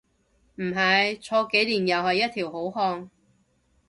唔係，坐幾年又一條好漢